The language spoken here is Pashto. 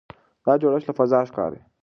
دا جوړښت له فضا ښکاري.